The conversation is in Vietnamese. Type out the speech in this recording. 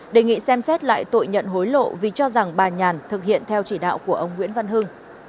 đề nghị xem xét lại tội nhận hối lộ vì cho rằng bà nhàn thực hiện theo chỉ đạo của ông nguyễn văn hưng